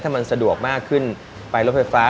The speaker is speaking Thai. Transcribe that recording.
ถ้ามันสะดวกมากขึ้นไปรถไฟฟ้า